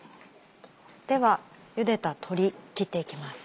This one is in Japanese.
ではゆでた鶏切っていきます。